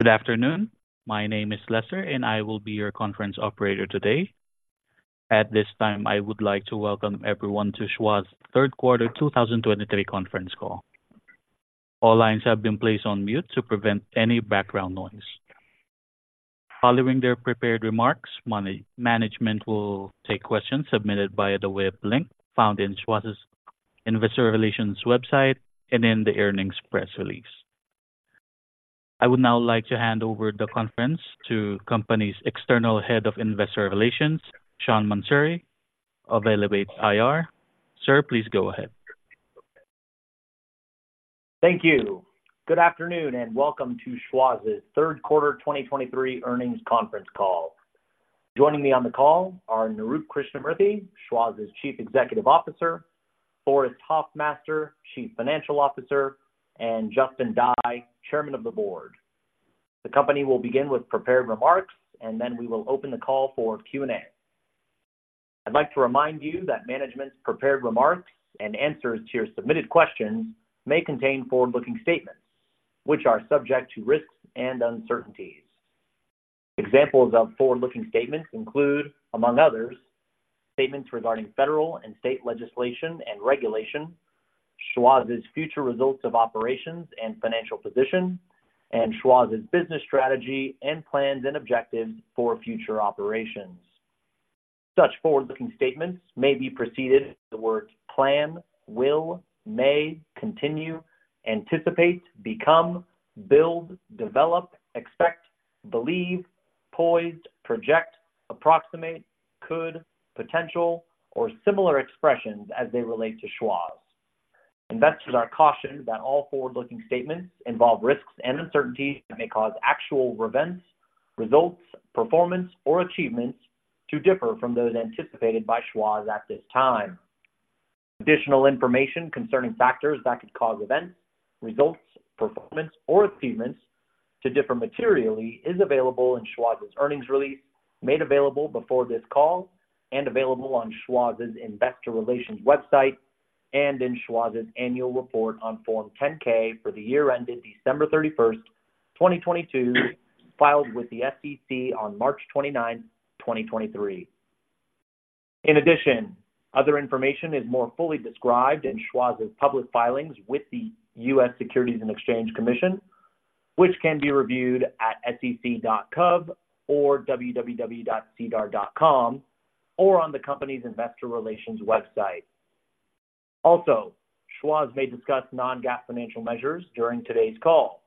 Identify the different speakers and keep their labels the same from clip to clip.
Speaker 1: Good afternoon. My name is Lesser, and I will be your conference operator today. At this time, I would like to welcome everyone to Schwazze's Third Quarter 2023 Conference Call. All lines have been placed on mute to prevent any background noise. Following their prepared remarks, management will take questions submitted via the web link found in Schwazze's Investor Relations website and in the earnings press release. I would now like to hand over the conference to the company's External Head of Investor Relations, Sean Mansouri of Elevate IR. Sir, please go ahead.
Speaker 2: Thank you. Good afternoon, and welcome to Schwazze's Third Quarter 2023 Earnings Conference Call. Joining me on the call are Nirup Krishnamurthy, Schwazze's Chief Executive Officer, Forrest Hoffmaster, Chief Financial Officer, and Justin Dye, Chairman of the Board. The company will begin with prepared remarks, and then we will open the call for Q&A. I'd like to remind you that management's prepared remarks and answers to your submitted questions may contain forward-looking statements, which are subject to risks and uncertainties. Examples of forward-looking statements include, among others, statements regarding federal and state legislation and regulation, Schwazze's future results of operations and financial position, and Schwazze's business strategy and plans and objectives for future operations. Such forward-looking statements may be preceded by the words plan, will, may, continue, anticipate, become, build, develop, expect, believe, poised, project, approximate, could, potential, or similar expressions as they relate to Schwazze. Investors are cautioned that all forward-looking statements involve risks and uncertainties that may cause actual events, results, performance, or achievements to differ from those anticipated by Schwazze at this time. Additional information concerning factors that could cause events, results, performance, or achievements to differ materially is available in Schwazze's earnings release, made available before this call, and available on Schwazze's Investor Relations website, and in Schwazze's annual report on Form 10-K for the year ended 31 December 2022, filed with the SEC on 29 March 2023. In addition, other information is more fully described in Schwazze's public filings with the U.S. Securities and Exchange Commission, which can be reviewed at sec.gov or www.sedar.com, or on the company's investor relations website. Also, Schwazze may discuss non-GAAP financial measures during today's call.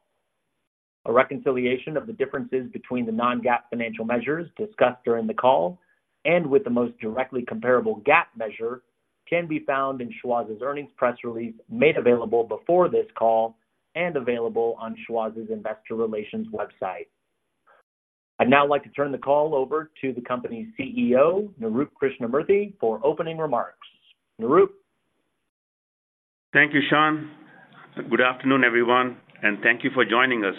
Speaker 2: A reconciliation of the differences between the non-GAAP financial measures discussed during the call and with the most directly comparable GAAP measure can be found in Schwazze's earnings press release, made available before this call and available on Schwazze's Investor Relations website. I'd now like to turn the call over to the company's CEO, Nirup Krishnamurthy, for opening remarks. Nirup?
Speaker 3: Thank you, Sean. Good afternoon, everyone, and thank you for joining us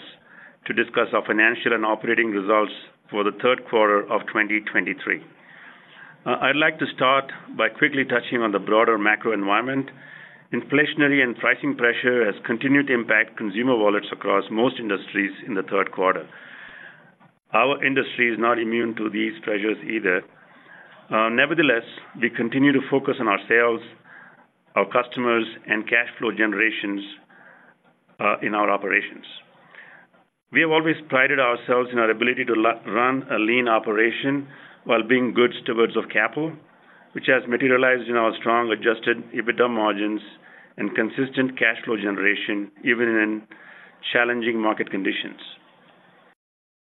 Speaker 3: to discuss our financial and operating results for the third quarter of 2023. I'd like to start by quickly touching on the broader macro environment. Inflationary and pricing pressure has continued to impact consumer wallets across most industries in the third quarter. Our industry is not immune to these pressures either. Nevertheless, we continue to focus on our sales, our customers, and cash flow generations in our operations. We have always prided ourselves in our ability to run a lean operation while being good stewards of capital, which has materialized in our strong adjusted EBITDA margins and consistent cash flow generation, even in challenging market conditions.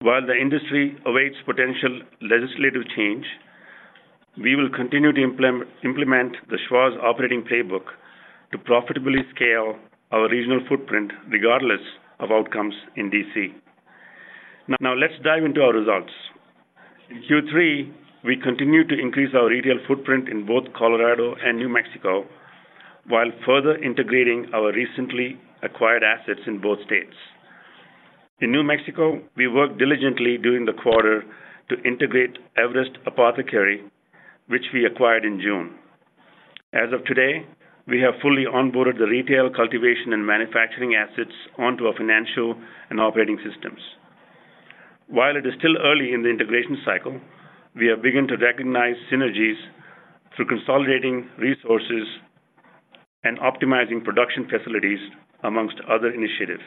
Speaker 3: While the industry awaits potential legislative change, we will continue to implement the Schwazze operating playbook to profitably scale our regional footprint regardless of outcomes in D.C. Now, let's dive into our results. In Q3, we continued to increase our retail footprint in both Colorado and New Mexico, while further integrating our recently acquired assets in both states. In New Mexico, we worked diligently during the quarter to integrate Everest Apothecary, which we acquired in June. As of today, we have fully onboarded the retail, cultivation, and manufacturing assets onto our financial and operating systems. While it is still early in the integration cycle, we have begun to recognize synergies through consolidating resources and optimizing production facilities, among other initiatives.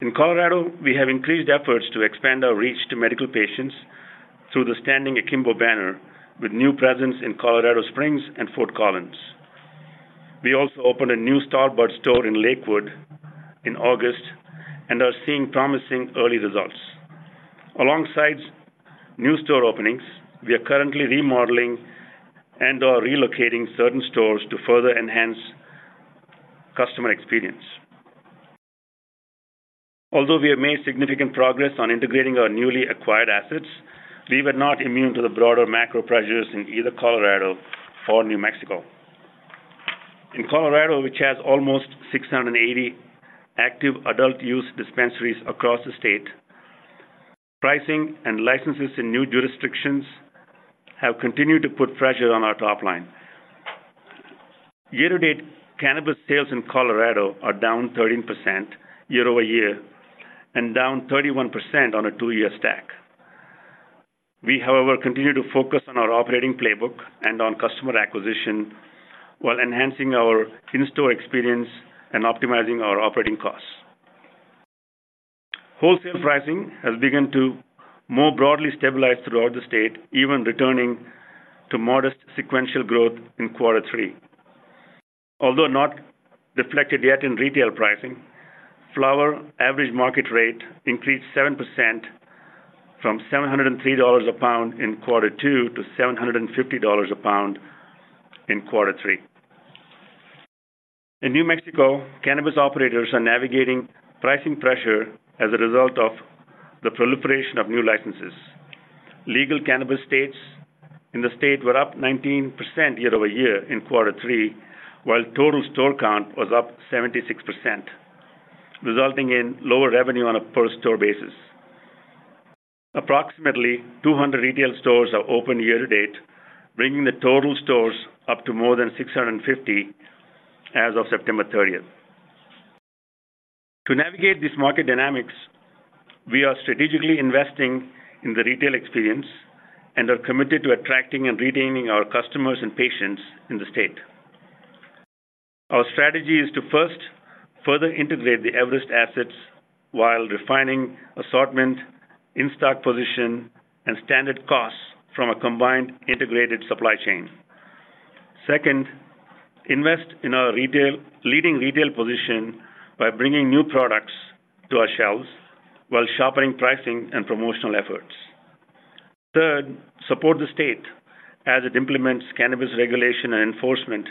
Speaker 3: In Colorado, we have increased efforts to expand our reach to medical patients through the Standing Akimbo banner, with new presence in Colorado Springs and Fort Collins. We also opened a new Star Buds store in Lakewood in August and are seeing promising early results. Alongside new store openings, we are currently remodeling and/or relocating certain stores to further enhance customer experience. Although we have made significant progress on integrating our newly acquired assets, we were not immune to the broader macro pressures in either Colorado or New Mexico. In Colorado, which has almost 680 active adult-use dispensaries across the state, pricing and licenses in new jurisdictions have continued to put pressure on our top line. Year-to-date, cannabis sales in Colorado are down 13% year-over-year and down 31% on a two-year stack. We, however, continue to focus on our operating playbook and on customer acquisition, while enhancing our in-store experience and optimizing our operating costs. Wholesale pricing has begun to more broadly stabilize throughout the state, even returning to modest sequential growth in quarter three. Although not reflected yet in retail pricing, flower average market rate increased 7% from $703 a pound in quarter two to $750 a pound in quarter three. In New Mexico, cannabis operators are navigating pricing pressure as a result of the proliferation of new licenses. Legal cannabis sales in the state were up 19% year-over-year in quarter three, while total store count was up 76%, resulting in lower revenue on a per-store basis. Approximately 200 retail stores are open year to date, bringing the total stores up to more than 650 as of September thirtieth. To navigate these market dynamics, we are strategically investing in the retail experience and are committed to attracting and retaining our customers and patients in the state. Our strategy is to, first, further integrate the Everest assets while refining assortment, in-stock position, and standard costs from a combined integrated supply chain. Second, invest in our retail-leading retail position by bringing new products to our shelves while sharpening pricing and promotional efforts. Third, support the state as it implements cannabis regulation and enforcement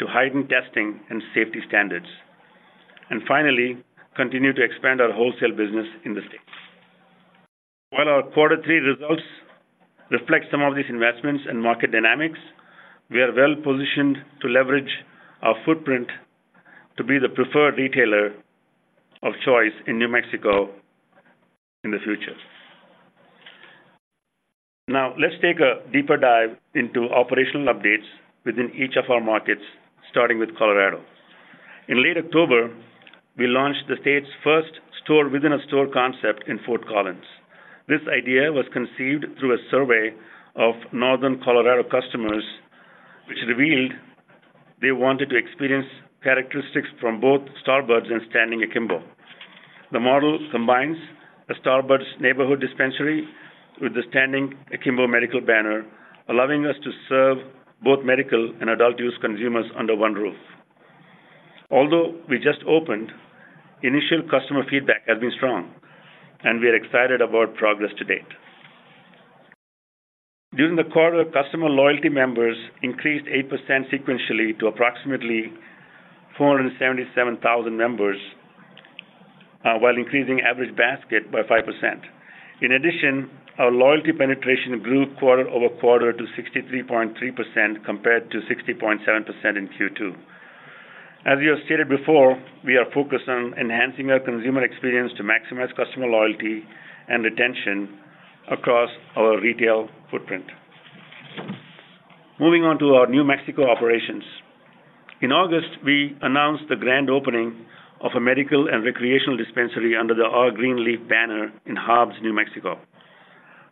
Speaker 3: to heighten testing and safety standards. And finally, continue to expand our wholesale business in the state. While our quarter three results reflect some of these investments and market dynamics, we are well-positioned to leverage our footprint to be the preferred retailer of choice in New Mexico in the future. Now, let's take a deeper dive into operational updates within each of our markets, starting with Colorado. In late October, we launched the state's first store-within-a-store concept in Fort Collins. This idea was conceived through a survey of northern Colorado customers, which revealed they wanted to experience characteristics from both Star Buds and Standing Akimbo. The model combines a Star Buds neighborhood dispensary with the Standing Akimbo medical banner, allowing us to serve both medical and adult use consumers under one roof. Although we just opened, initial customer feedback has been strong, and we are excited about progress to date. During the quarter, customer loyalty members increased 8% sequentially to approximately 477,000 members, while increasing average basket by 5%. In addition, our loyalty penetration grew quarter-over-quarter to 63.3%, compared to 60.7% in Q2. As we have stated before, we are focused on enhancing our consumer experience to maximize customer loyalty and retention across our retail footprint. Moving on to our New Mexico operations. In August, we announced the grand opening of a medical and recreational dispensary under the R. Greenleaf banner in Hobbs, New Mexico.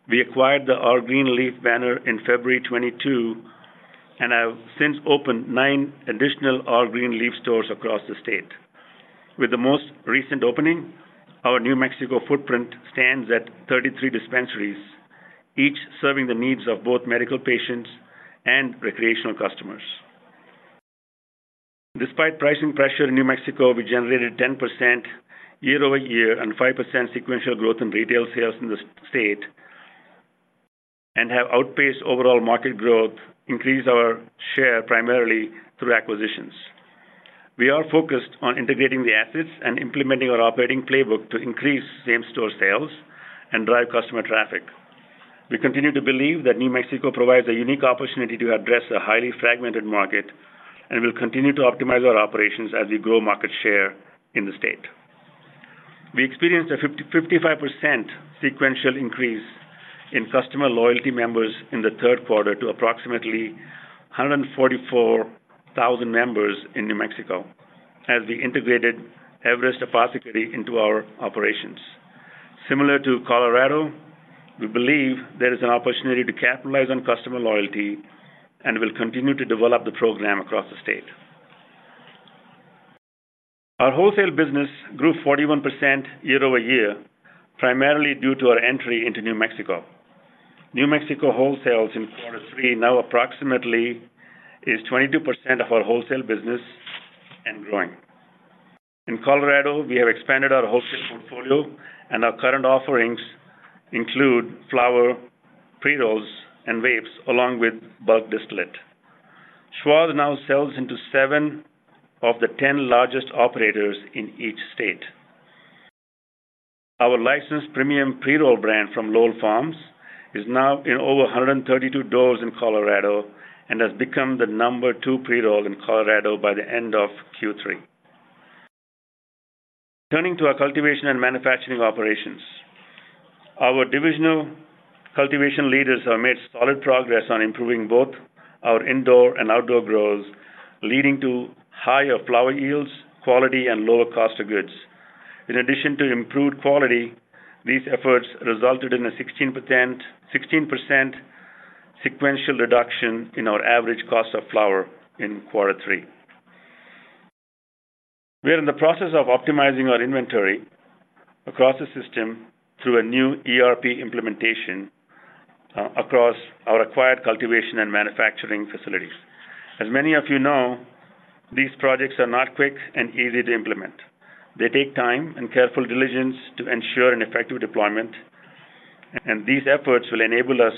Speaker 3: We acquired the R. Greenleaf banner in February 2022, and have since opened nine additional R. Greenleaf stores across the state. With the most recent opening, our New Mexico footprint stands at 33 dispensaries, each serving the needs of both medical patients and recreational customers. Despite pricing pressure in New Mexico, we generated 10% year-over-year and 5% sequential growth in retail sales in the state, and have outpaced overall market growth, increased our share primarily through acquisitions. We are focused on integrating the assets and implementing our operating playbook to increase same-store sales and drive customer traffic. We continue to believe that New Mexico provides a unique opportunity to address a highly fragmented market, and we'll continue to optimize our operations as we grow market share in the state. We experienced a 55% sequential increase in customer loyalty members in the third quarter to approximately 144,000 members in New Mexico, as we integrated Everest Apothecary into our operations. Similar to Colorado, we believe there is an opportunity to capitalize on customer loyalty, and we'll continue to develop the program across the state. Our wholesale business grew 41% year-over-year, primarily due to our entry into New Mexico. New Mexico wholesales in quarter three now approximately is 22% of our wholesale business and growing. In Colorado, we have expanded our wholesale portfolio, and our current offerings include flower, pre-rolls, and vapes, along with bulk distillate. Schwazze now sells into seven of the 10 largest operators in each state. Our licensed premium pre-roll brand from Lowell Farms is now in over 132 doors in Colorado and has become the number two pre-roll in Colorado by the end of Q3. Turning to our cultivation and manufacturing operations. Our divisional cultivation leaders have made solid progress on improving both our indoor and outdoor grows, leading to higher flower yields, quality, and lower cost of goods. In addition to improved quality, these efforts resulted in a 16%, 16% sequential reduction in our average cost of flower in quarter three. We are in the process of optimizing our inventory across the system through a new ERP implementation across our acquired cultivation and manufacturing facilities. As many of you know, these projects are not quick and easy to implement. They take time and careful diligence to ensure an effective deployment, and these efforts will enable us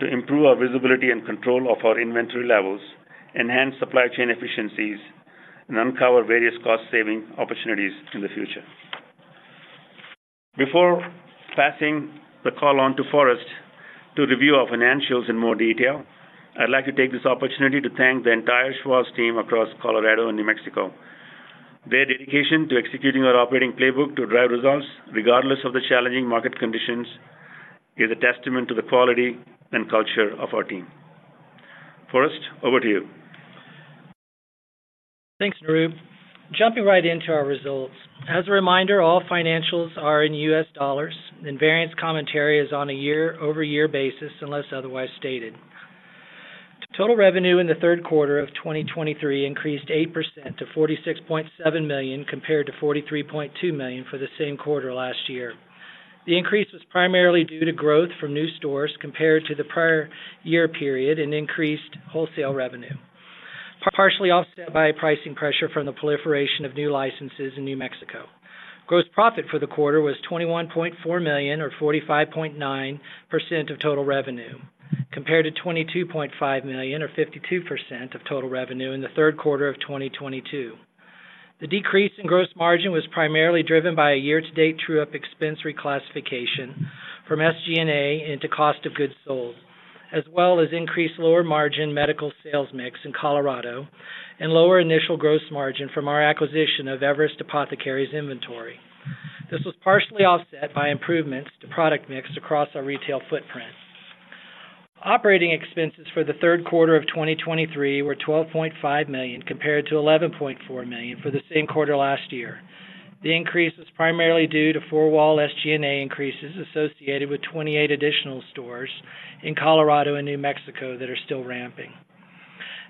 Speaker 3: to improve our visibility and control of our inventory levels, enhance supply chain efficiencies, and uncover various cost-saving opportunities in the future. Before passing the call on to Forrest to review our financials in more detail, I'd like to take this opportunity to thank the entire Schwazze team across Colorado and New Mexico. Their dedication to executing our operating playbook to drive results, regardless of the challenging market conditions, is a testament to the quality and culture of our team. Forrest, over to you.
Speaker 4: Thanks, Nirup. Jumping right into our results. As a reminder, all financials are in US dollars, and variance commentary is on a year-over-year basis, unless otherwise stated. Total revenue in the third quarter of 2023 increased 8% to $46.7 million, compared to $43.2 million for the same quarter last year. The increase was primarily due to growth from new stores compared to the prior year period and increased wholesale revenue, partially offset by pricing pressure from the proliferation of new licenses in New Mexico. Gross profit for the quarter was $21.4 million, or 45.9% of total revenue, compared to $22.5 million, or 52% of total revenue in the third quarter of 2022. The decrease in gross margin was primarily driven by a year-to-date true-up expense reclassification from SG&A into cost of goods sold, as well as increased lower margin medical sales mix in Colorado and lower initial gross margin from our acquisition of Everest Apothecary's inventory. This was partially offset by improvements to product mix across our retail footprint. Operating expenses for the third quarter of 2023 were $12.5 million, compared to $11.4 million for the same quarter last year. The increase was primarily due to four wall SG&A increases associated with 28 additional stores in Colorado and New Mexico that are still ramping.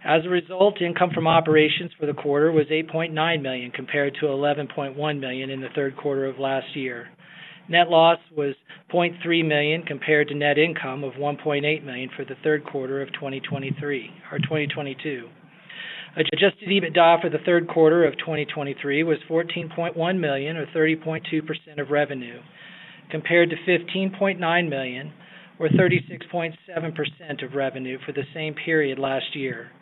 Speaker 4: As a result, income from operations for the quarter was $8.9 million, compared to $11.1 million in the third quarter of last year. Net loss was $0.3 million, compared to net income of $1.8 million for the third quarter of 2023 or 2022. Adjusted EBITDA for the third quarter of 2023 was $14.1 million, or 30.2% of revenue, compared to $15.9 million, or 36.7% of revenue for the same period last year.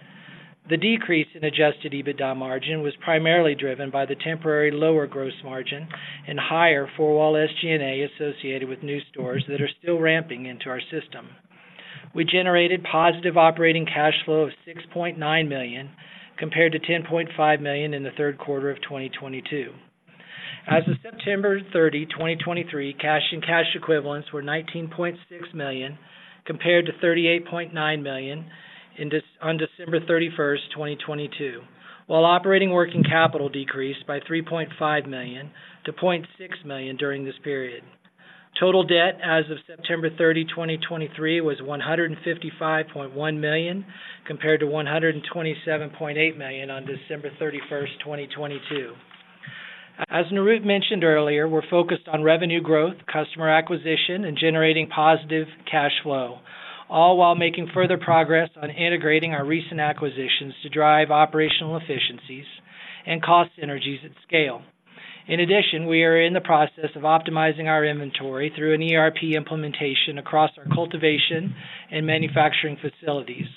Speaker 4: The decrease in adjusted EBITDA margin was primarily driven by the temporary lower gross margin and higher four-wall SG&A associated with new stores that are still ramping into our system. We generated positive operating cash flow of $6.9 million, compared to $10.5 million in the third quarter of 2022. As of September 30, 2023, cash and cash equivalents were $19.6 million, compared to $38.9 million on 31 December 2022, while operating working capital decreased by $3.5 million to $0.6 million during this period. Total debt as of September 30, 2023, was $155.1 million, compared to $127.8 million on 31 December 2022. As Nirup mentioned earlier, we're focused on revenue growth, customer acquisition, and generating positive cash flow, all while making further progress on integrating our recent acquisitions to drive operational efficiencies and cost synergies at scale. In addition, we are in the process of optimizing our inventory through an ERP implementation across our cultivation and manufacturing facilities,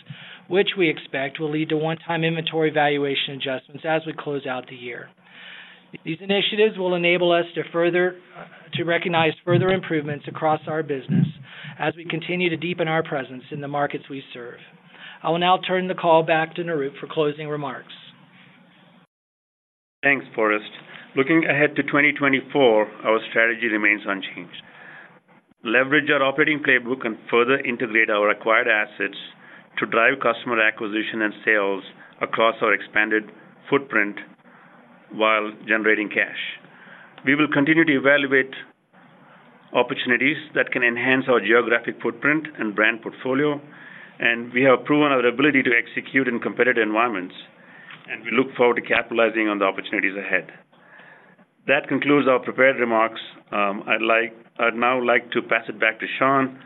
Speaker 4: which we expect will lead to one-time inventory valuation adjustments as we close out the year. These initiatives will enable us to further to recognize further improvements across our business as we continue to deepen our presence in the markets we serve. I will now turn the call back to Nirup for closing remarks.
Speaker 3: Thanks, Forrest. Looking ahead to 2024, our strategy remains unchanged. Leverage our operating playbook and further integrate our acquired assets to drive customer acquisition and sales across our expanded footprint while generating cash. We will continue to evaluate opportunities that can enhance our geographic footprint and brand portfolio, and we have proven our ability to execute in competitive environments, and we look forward to capitalizing on the opportunities ahead. That concludes our prepared remarks. I'd now like to pass it back to Sean,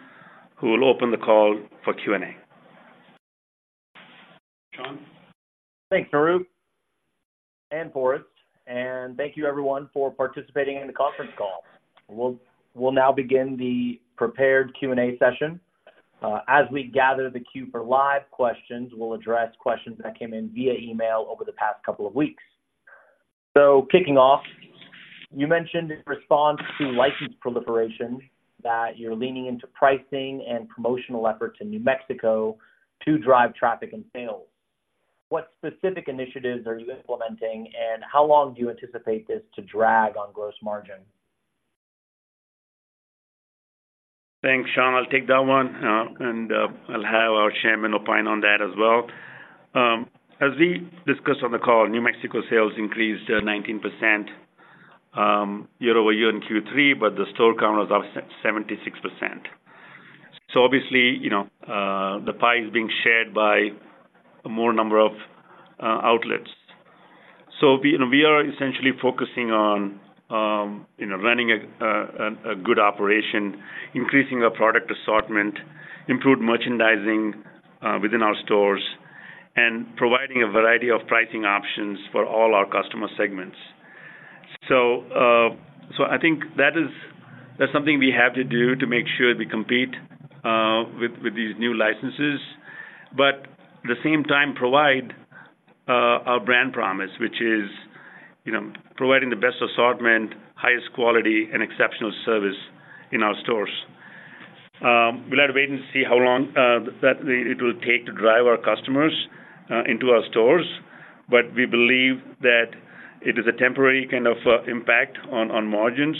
Speaker 3: who will open the call for Q&A. Sean?
Speaker 2: Thanks, Nirup and Forrest, and thank you everyone for participating in the conference call. We'll now begin the prepared Q&A session. As we gather the queue for live questions, we'll address questions that came in via email over the past couple of weeks. So kicking off, you mentioned in response to license proliferation, that you're leaning into pricing and promotional efforts in New Mexico to drive traffic and sales. What specific initiatives are you implementing, and how long do you anticipate this to drag on gross margin?
Speaker 3: Thanks, Sean. I'll take that one. I'll have our chairman opine on that as well. As we discussed on the call, New Mexico sales increased 19%, year-over-year in Q3, but the store count was up 76%. So obviously, you know, the pie is being shared by a more number of outlets. So we, you know, we are essentially focusing on, you know, running a good operation, increasing our product assortment, improved merchandising within our stores, and providing a variety of pricing options for all our customer segments. I think that's something we have to do to make sure we compete with these new licenses, but at the same time, provide our brand promise, which is, you know, providing the best assortment, highest quality, and exceptional service in our stores. We'll have to wait and see how long that it will take to drive our customers into our stores, but we believe that it is a temporary kind of impact on margins.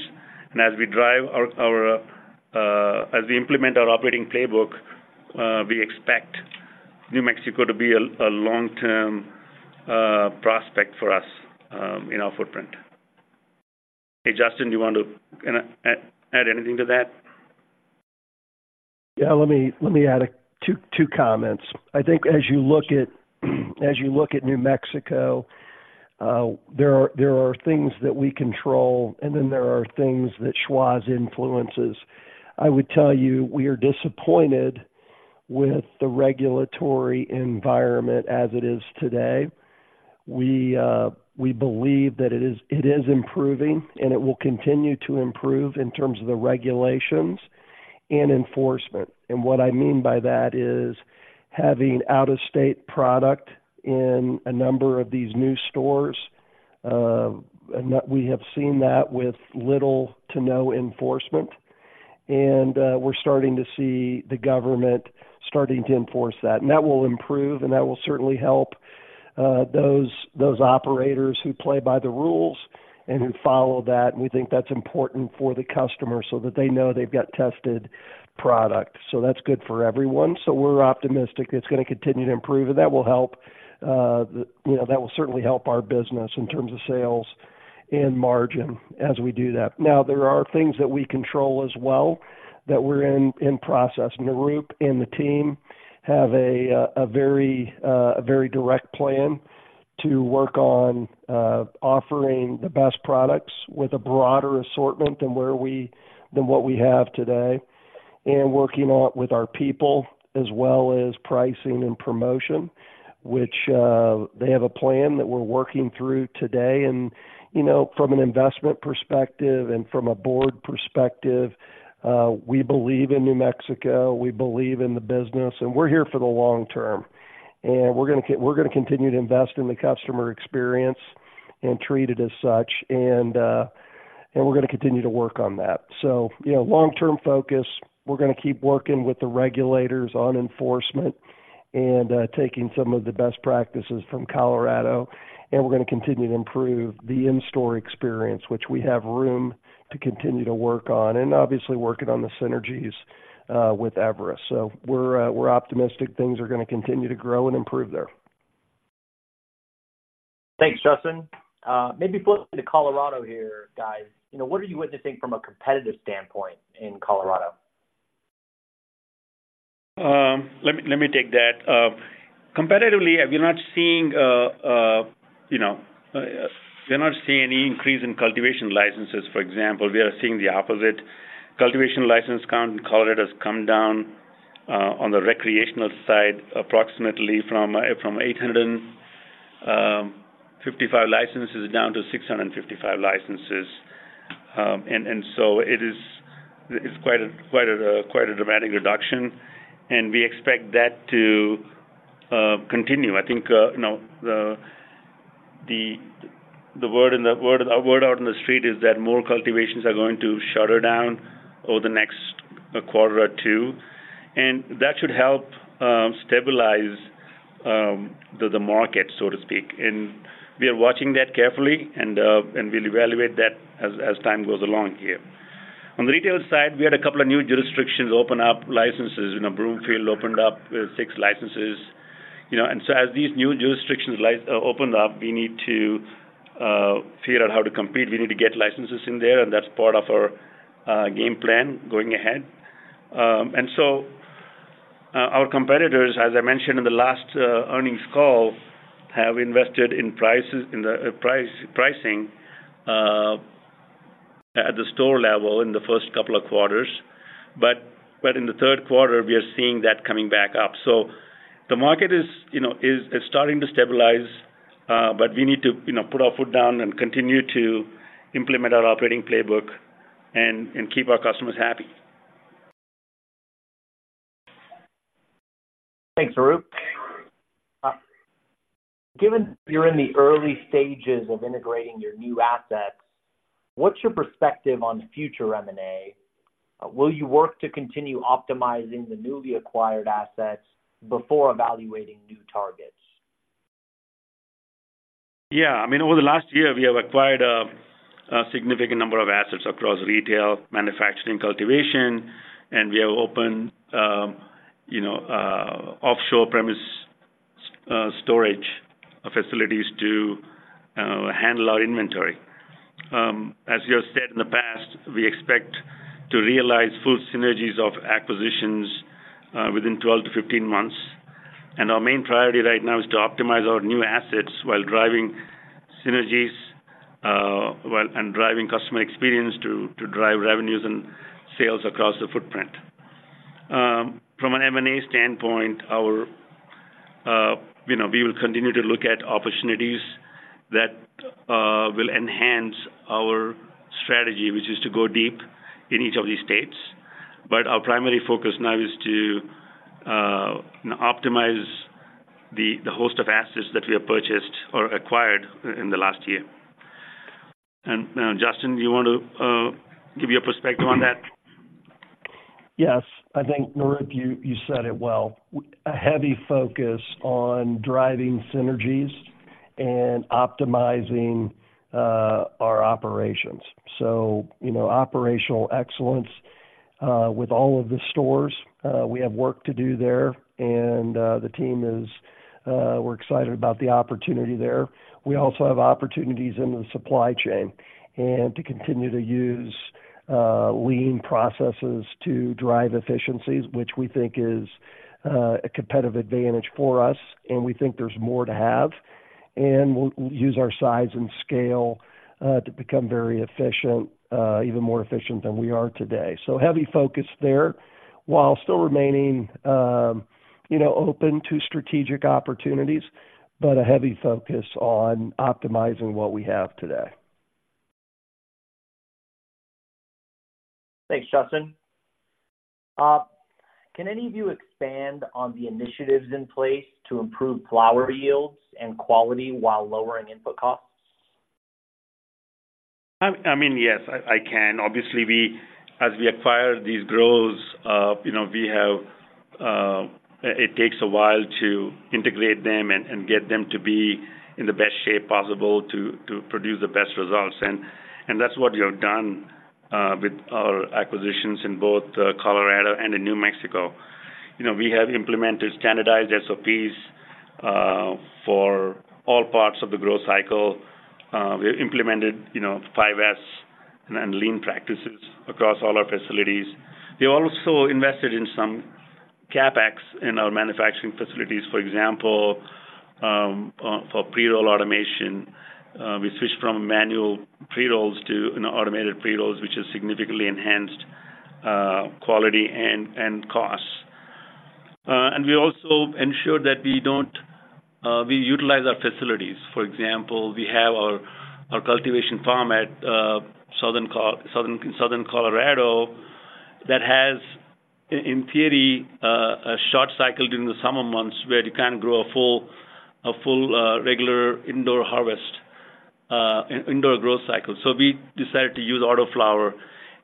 Speaker 3: As we implement our operating playbook, we expect New Mexico to be a long-term prospect for us in our footprint. Hey, Justin, do you want to kinda add anything to that?
Speaker 5: Yeah, let me add two comments. I think as you look at New Mexico, there are things that we control, and then there are things that Schwazze influences. I would tell you, we are disappointed with the regulatory environment as it is today. We believe that it is improving, and it will continue to improve in terms of the regulations and enforcement. And what I mean by that is, having out-of-state product in a number of these new stores, and that we have seen that with little to no enforcement, and we're starting to see the government starting to enforce that. And that will improve, and that will certainly help those operators who play by the rules and who follow that. We think that's important for the customer so that they know they've got tested product. So that's good for everyone. So we're optimistic it's gonna continue to improve, and that will help, you know, that will certainly help our business in terms of sales and margin as we do that. Now, there are things that we control as well, that we're in process. Nirup and the team have a very direct plan to work on offering the best products with a broader assortment than where than what we have today, and working on with our people, as well as pricing and promotion, which they have a plan that we're working through today. You know, from an investment perspective and from a board perspective, we believe in New Mexico, we believe in the business, and we're here for the long term. We're gonna continue to invest in the customer experience and treat it as such, and we're gonna continue to work on that. So, you know, long-term focus, we're gonna keep working with the regulators on enforcement and taking some of the best practices from Colorado, and we're gonna continue to improve the in-store experience, which we have room to continue to work on, and obviously working on the synergies with Everest. So we're optimistic things are gonna continue to grow and improve there.
Speaker 2: Thanks, Justin. Maybe flip to Colorado here, guys. You know, what are you witnessing from a competitive standpoint in Colorado?
Speaker 3: Let me take that. Competitively, we're not seeing, you know, we're not seeing any increase in cultivation licenses, for example. We are seeing the opposite. Cultivation license count in Colorado has come down, on the recreational side, approximately from 855 licenses down to 655 licenses. And so it is, it's quite a dramatic reduction, and we expect that to continue. I think, you know, the word on the street is that more cultivations are going to shutter down over the next quarter or two, and that should help stabilize the market, so to speak. And we are watching that carefully, and we'll evaluate that as time goes along here. On the retail side, we had a couple of new jurisdictions open up licenses, you know, Broomfield opened up, six licenses. You know, and so as these new jurisdictions open up, we need to figure out how to compete. We need to get licenses in there, and that's part of our game plan going ahead. And so, our competitors, as I mentioned in the last earnings call, have invested in prices, in the price, pricing, at the store level in the first couple of quarters. But, but in the third quarter, we are seeing that coming back up. So the market is, you know, is, is starting to stabilize, but we need to, you know, put our foot down and continue to implement our operating playbook and, and keep our customers happy.
Speaker 2: Thanks, Nirup. Given you're in the early stages of integrating your new assets, what's your perspective on future M&A? Will you work to continue optimizing the newly acquired assets before evaluating new targets?
Speaker 3: Yeah. I mean, over the last year, we have acquired a significant number of assets across retail, manufacturing, cultivation, and we have opened off-premise storage facilities to handle our inventory. As you have said in the past, we expect to realize full synergies of acquisitions within 12-15 months. And our main priority right now is to optimize our new assets while driving synergies and driving customer experience to drive revenues and sales across the footprint. From an M&A standpoint, we will continue to look at opportunities that will enhance our strategy, which is to go deep in each of these states. But our primary focus now is to optimize the host of assets that we have purchased or acquired in the last year. And, Justin, do you want to give your perspective on that?
Speaker 5: Yes. I think, Nirup, you said it well. A heavy focus on driving synergies and optimizing our operations. So, you know, operational excellence with all of the stores, we have work to do there, and the team is, we're excited about the opportunity there. We also have opportunities in the supply chain and to continue to use lean processes to drive efficiencies, which we think is a competitive advantage for us, and we think there's more to have. And we'll use our size and scale to become very efficient, even more efficient than we are today. So heavy focus there, while still remaining, you know, open to strategic opportunities, but a heavy focus on optimizing what we have today.
Speaker 2: Thanks, Justin. Can any of you expand on the initiatives in place to improve flower yields and quality while lowering input costs?
Speaker 3: I mean, yes, I, I can. Obviously, we as we acquire these grows, you know, we have... It takes a while to integrate them and, and get them to be in the best shape possible to, to produce the best results. And, and that's what we have done, with our acquisitions in both, Colorado and in New Mexico. You know, we have implemented standardized SOPs, for all parts of the growth cycle. We have implemented, you know, 5S and lean practices across all our facilities. We also invested in some CapEx in our manufacturing facilities. For example, for pre-roll automation, we switched from manual pre-rolls to an automated pre-rolls, which has significantly enhanced, quality and, and costs. And we also ensure that we don't, we utilize our facilities. For example, we have our cultivation farm at Southern Colorado that has, in theory, a short cycle during the summer months, where you can't grow a full regular indoor harvest, indoor growth cycle. So we decided to use autoflower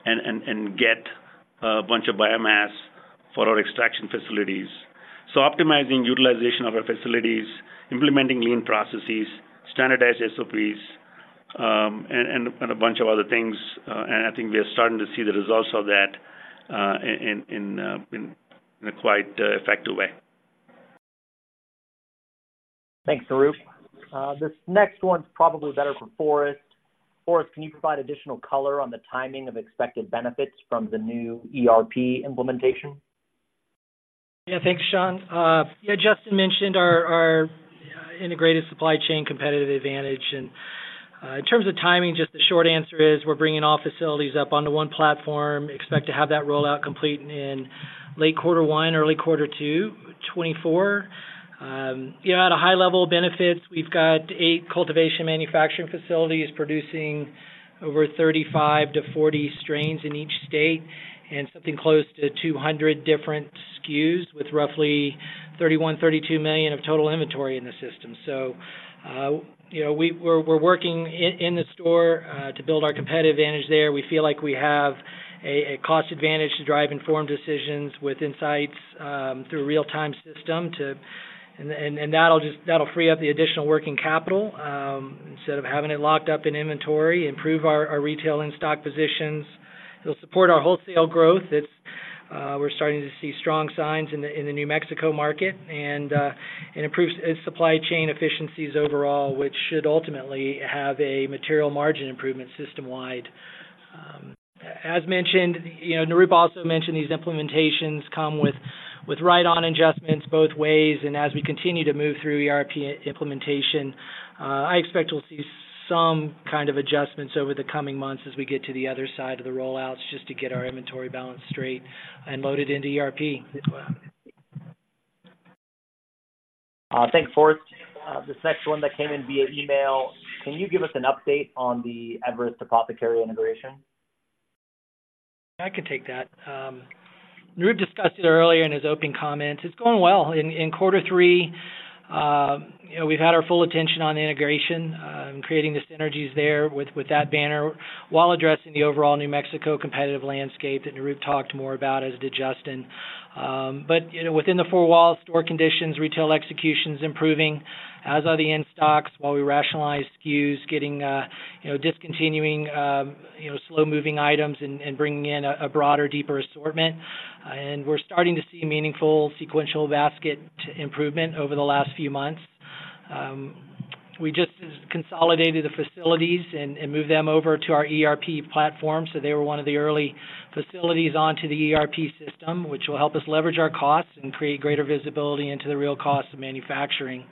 Speaker 3: and get a bunch of biomass for our extraction facilities. So optimizing utilization of our facilities, implementing lean processes, standardized SOPs, and a bunch of other things, and I think we are starting to see the results of that in a quite effective way.
Speaker 2: Thanks, Nirup. This next one's probably better for Forrest. Forrest, can you provide additional color on the timing of expected benefits from the new ERP implementation?
Speaker 4: Yeah. Thanks, Sean. Yeah, Justin mentioned our integrated supply chain competitive advantage. In terms of timing, just the short answer is we're bringing all facilities up onto one platform. Expect to have that rollout complete in late quarter one, early quarter two, 2024. Yeah, at a high level of benefits, we've got eight cultivation manufacturing facilities producing over 35-40 strains in each state and something close to 200 different SKUs, with roughly $31-$32 million of total inventory in the system. So, you know, we're working in the store to build our competitive advantage there. We feel like we have a cost advantage to drive informed decisions with insights through real-time system to... That'll just free up the additional working capital, instead of having it locked up in inventory, improve our retail in-stock positions. It'll support our wholesale growth. We're starting to see strong signs in the New Mexico market, and it improves its supply chain efficiencies overall, which should ultimately have a material margin improvement system-wide. As mentioned, you know, Nirup also mentioned these implementations come with write-on adjustments both ways, and as we continue to move through ERP implementation, I expect we'll see some kind of adjustments over the coming months as we get to the other side of the rollouts, just to get our inventory balance straight and loaded into ERP.
Speaker 2: Thanks, Forrest. This next one that came in via email: Can you give us an update on the Everest Apothecary integration?
Speaker 4: I can take that. Nirup discussed it earlier in his opening comments. It's going well. In quarter three, you know, we've had our full attention on integration, and creating the synergies there with that banner, while addressing the overall New Mexico competitive landscape that Nirup talked more about, as did Justin. But, you know, within the four walls, store conditions, retail execution's improving, as are the in-stocks, while we rationalize SKUs, getting, you know, discontinuing, slow-moving items and bringing in a broader, deeper assortment. And we're starting to see meaningful sequential basket improvement over the last few months. We just consolidated the facilities and moved them over to our ERP platform, so they were one of the early facilities onto the ERP system, which will help us leverage our costs and create greater visibility into the real cost of manufacturing.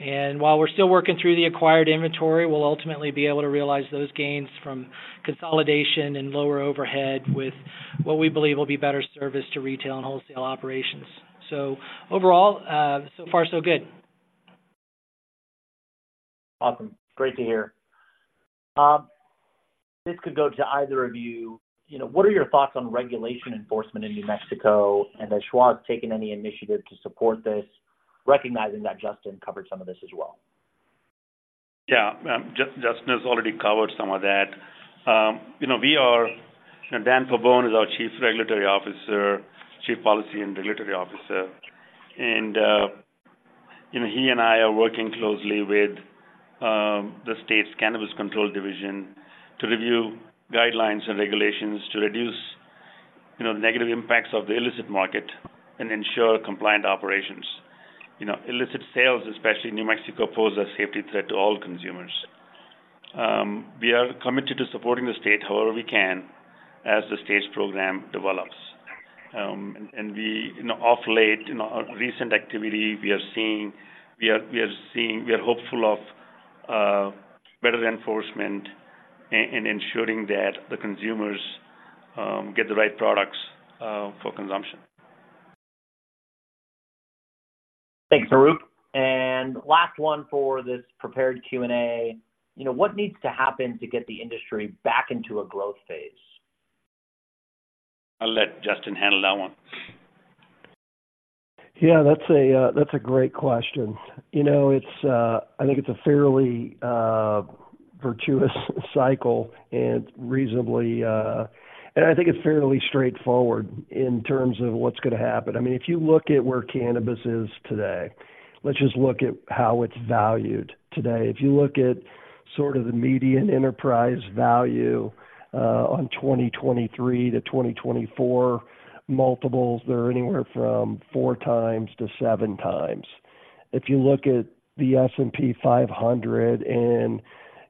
Speaker 4: And while we're still working through the acquired inventory, we'll ultimately be able to realize those gains from consolidation and lower overhead, with what we believe will be better service to retail and wholesale operations. So overall, so far, so good.
Speaker 2: Awesome. Great to hear. This could go to either of you. You know, what are your thoughts on regulation enforcement in New Mexico, and has Schwazze taken any initiative to support this, recognizing that Justin covered some of this as well?
Speaker 3: Yeah, Justin has already covered some of that. You know, we are and Dan Pabon is our Chief Policy and Regulatory Officer. And, you know, he and I are working closely with the state's Cannabis Control Division to review guidelines and regulations to reduce, you know, negative impacts of the illicit market and ensure compliant operations. You know, illicit sales, especially in New Mexico, pose a safety threat to all consumers. We are committed to supporting the state however we can, as the state's program develops. And we, you know, of late, in our recent activity, we are hopeful of better enforcement in ensuring that the consumers get the right products for consumption.
Speaker 2: Thanks, Nirup. And last one for this prepared Q&A. You know, what needs to happen to get the industry back into a growth phase?
Speaker 3: I'll let Justin handle that one.
Speaker 5: Yeah, that's a great question. You know, it's I think it's a fairly virtuous cycle and reasonably... I think it's fairly straightforward in terms of what's going to happen. I mean, if you look at where cannabis is today, let's just look at how it's valued today. If you look at sort of the median enterprise value on 2023-2024 multiples, they're anywhere from 4x to 7x. If you look at the S&P 500 and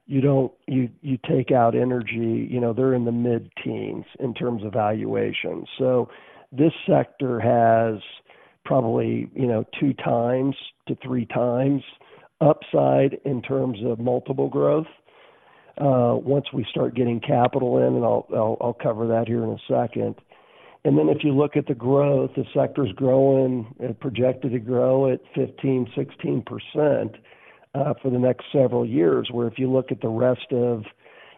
Speaker 5: you take out energy, you know, they're in the mid-teens in terms of valuation. So this sector has probably, you know, 2x to 3x upside in terms of multiple growth once we start getting capital in, and I'll cover that here in a second. And then, if you look at the growth, the sector's growing and projected to grow at 15%-16% for the next several years, where if you look at the rest of,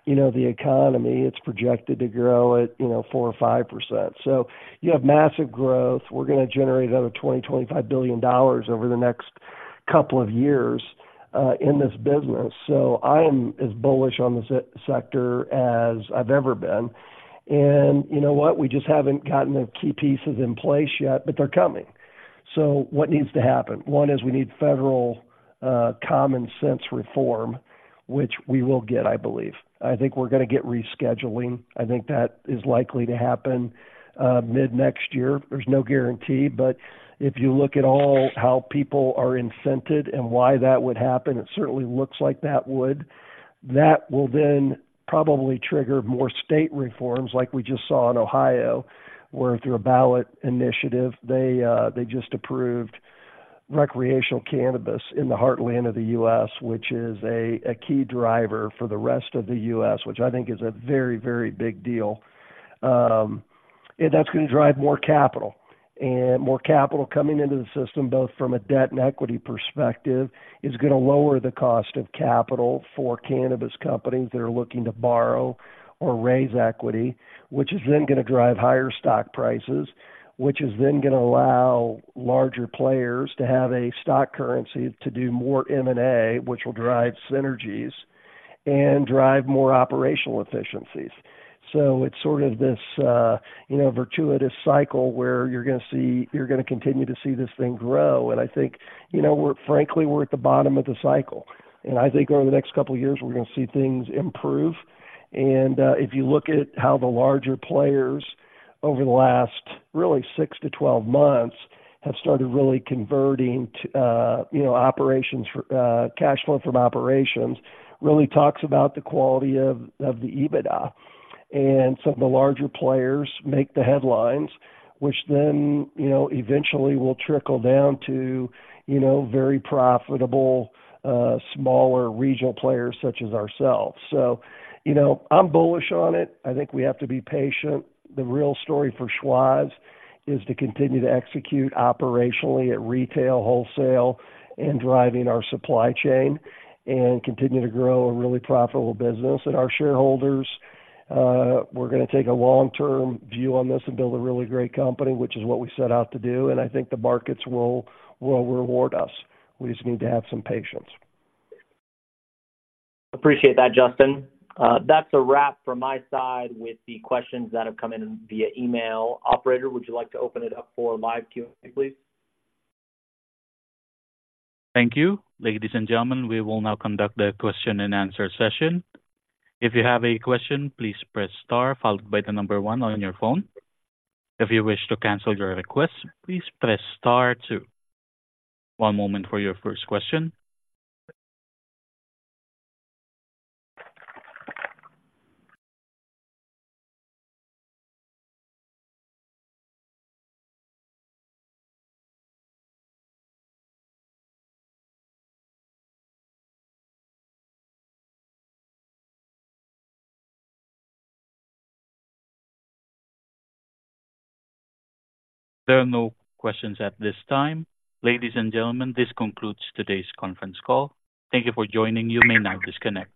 Speaker 5: you know, the economy, it's projected to grow at, you know, 4%-5%. So you have massive growth. We're going to generate another $20-$25 billion over the next couple of years in this business. So I am as bullish on the sector as I've ever been. And you know what? We just haven't gotten the key pieces in place yet, but they're coming. So what needs to happen? One is we need federal common sense reform, which we will get, I believe. I think we're going to get rescheduling. I think that is likely to happen mid-next year. There's no guarantee, but if you look at all how people are incented and why that would happen, it certainly looks like that would. That will then probably trigger more state reforms, like we just saw in Ohio, where through a ballot initiative, they just approved recreational cannabis in the heartland of the U.S., which is a key driver for the rest of the U.S., which I think is a very, very big deal. And that's going to drive more capital. And more capital coming into the system, both from a debt and equity perspective, is going to lower the cost of capital for cannabis companies that are looking to borrow or raise equity, which is then going to drive higher stock prices, which is then going to allow larger players to have a stock currency to do more M&A, which will drive synergies and drive more operational efficiencies. So it's sort of this, you know, virtuous cycle where you're going to see, you're going to continue to see this thing grow. And I think, you know, we're, frankly, we're at the bottom of the cycle. And I think over the next couple of years, we're going to see things improve. If you look at how the larger players over the last really six to 12 months have started really converting to, you know, operations for cash flow from operations, really talks about the quality of the EBITDA. Some of the larger players make the headlines, which then, you know, eventually will trickle down to, you know, very profitable, smaller regional players such as ourselves. So, you know, I'm bullish on it. I think we have to be patient. The real story for Schwazze is to continue to execute operationally at retail, wholesale, and driving our supply chain, and continue to grow a really profitable business. Our shareholders, we're going to take a long-term view on this and build a really great company, which is what we set out to do, and I think the markets will reward us. We just need to have some patience.
Speaker 2: Appreciate that, Justin. That's a wrap from my side with the questions that have come in via email. Operator, would you like to open it up for live Q&A, please?
Speaker 1: Thank you. Ladies and gentlemen, we will now conduct the question-and-answer session. If you have a question, please press star, followed by the number one on your phone. If you wish to cancel your request, please press star two. One moment for your first question. There are no questions at this time. Ladies and gentlemen, this concludes today's conference call. Thank you for joining. You may now disconnect.